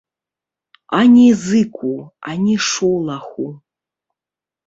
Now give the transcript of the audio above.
Ані зыку, ані шолаху.